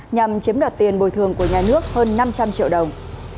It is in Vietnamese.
nhằm chiếm đoạt tiền bồi thường của nhà nước hơn năm trăm linh triệu đồng